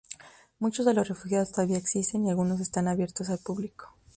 Muchos de los refugios todavía existen, y algunos están abiertos al público.